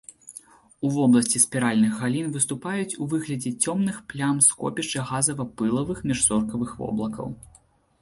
У вобласці спіральных галін выступаюць у выглядзе цёмных плям скопішчы газава-пылавых міжзоркавых воблакаў.